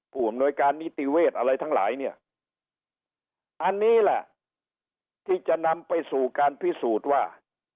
ผู้อำนวยการนิติเวศอะไรทั้งหลายเนี่ยอันนี้แหละที่จะนำไปสู่การพิสูจน์ว่า